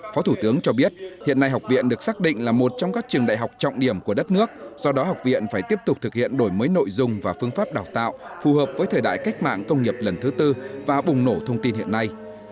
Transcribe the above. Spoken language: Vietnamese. phó thủ tướng cho biết hiện nay học viện được xác định là một trong các trường đại học trọng điểm của đất nước do đó học viện phải tiếp tục thực hiện đổi mới nội dung và phương pháp đào tạo phù hợp với thời đại cách mạng công nghiệp lần thứ tư và bùng nổ thông tin hiện nay